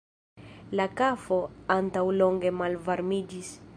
La kafo antaŭlonge malvarmiĝis.